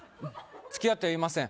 付き合ってはいません